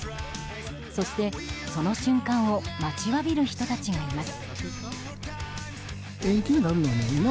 そして、その瞬間を待ちわびる人たちがいます。